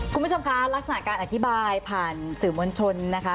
คุณผู้ชมคะลักษณะการอธิบายผ่านสื่อมวลชนนะคะ